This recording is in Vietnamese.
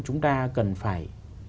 chúng ta cần phải